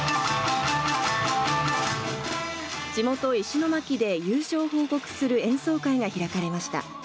地元、石巻で優勝を報告する演奏会が開かれました。